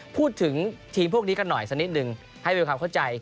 พูดถึงทีมพวกนี้กันหน่อยสักนิดนึงให้มีความเข้าใจ